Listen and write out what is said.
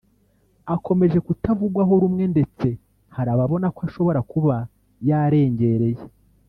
akomeje kutavugwaho rumwe ndetse hari ababona ko ashobora kuba yarengereye